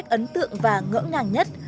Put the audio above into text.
dù khách ấn tượng và ngỡ ngàng nhất